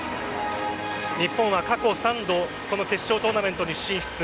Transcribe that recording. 日本は過去３度この決勝トーナメントに進出。